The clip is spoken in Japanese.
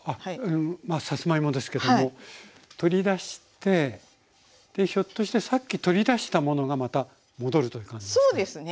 まあさつまいもですけども取り出してでひょっとしてさっき取り出したものがまた戻るという感じなんですかね。